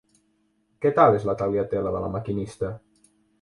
Què tal és La Tagliatella de la Maquinista?